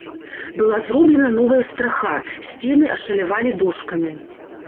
Была зроблена новая страха, сцены ашалявалі дошкамі.